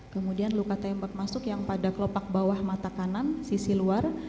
kemudian luka tembak masuk yang pada kelopak bawah mata kanan sisi luar